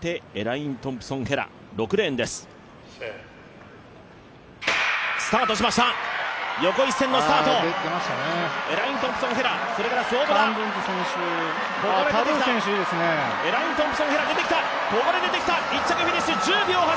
エライン・トンプソン・ヘラ１着フィニッシュ、１０秒８３。